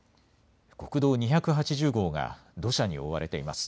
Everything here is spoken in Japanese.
国道２８０号が土砂に覆われています。